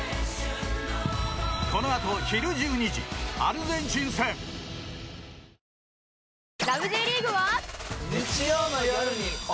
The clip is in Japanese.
このあとひる１２時アルゼンチン戦ラブ！